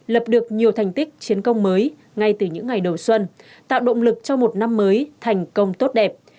lập được nhiều thành tích chiến công mới ngay từ những ngày đầu xuân tạo động lực cho một năm mới thành công tốt đẹp